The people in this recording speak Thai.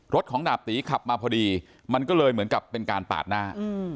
รถของดาบตีขับมาพอดีมันก็เลยเหมือนกับเป็นการปาดหน้า